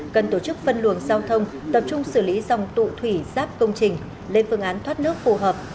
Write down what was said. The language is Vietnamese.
cần tổ chức phân luồng giao thông tập trung xử lý dòng tụ thủy giáp công trình lên phương án thoát nước phù hợp